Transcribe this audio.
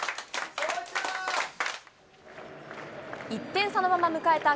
１点差のまま迎えた